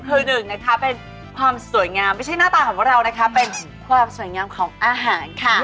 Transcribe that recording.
คือหนึ่งนะคะเป็นความสวยงามไม่ใช่หน้าตาของพวกเรานะคะเป็นความสวยงามของอาหารค่ะ